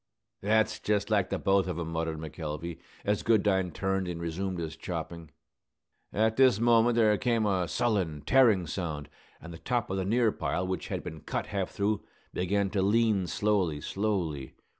"That's just like the both of 'em," muttered McElvey, as Goodine turned and resumed his chopping. At this moment there came a sullen, tearing sound; and the top of the near pile, which had been half cut through, began to lean slowly, slowly.